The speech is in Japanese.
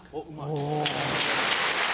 お。